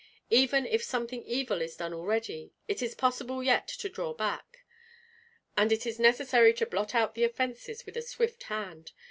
Even if something evil is done already, it is possible yet to draw back, and it is necessary to blot out the offences with a swift hand.